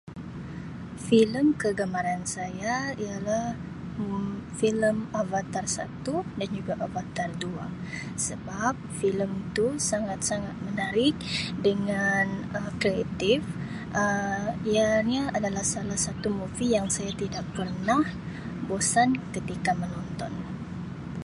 "Filem kegemaran saya ialah Um filem ""Avatar"" satu dan juga Avatar"" dua sebab filem tu sangat-sangat menarik dengan Um kreatif Um ianya adalah salah satu ""movie"" yang saya tidak pernah bosan ketika menonton. "